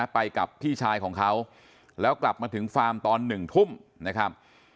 ไปกับพี่ชายของเขาแล้วกลับมาถึงฟาร์มตอน๑ทุ่มนะครับ